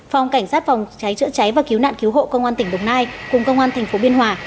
phòng cảnh sát phòng cháy chữa cháy và cứu nạn cứu hộ công an tỉnh đồng nai cùng công an tp biên hòa